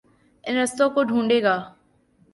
ان رستوں کو ڈھونڈے گا۔